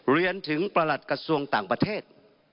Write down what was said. เรียนถึงประหลัดกระทรวงต่างประเทศ